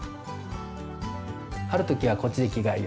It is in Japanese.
「ある時はこっちで着替えよう」